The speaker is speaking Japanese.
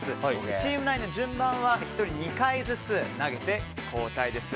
チーム内の順番は１人２回ずつ投げて交代です。